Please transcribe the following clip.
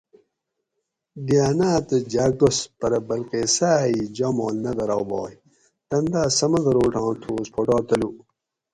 ڈیانا تہ جا گس پرہ بلقیسا ای جاماڷ نہ درابائی تن دا سمندروٹاں تھوس پھوٹا تلو